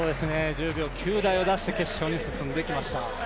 １０秒９台を出して決勝に進んできました。